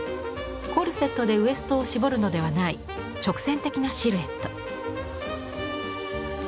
コルセットでウエストを絞るのではない直線的なシルエット。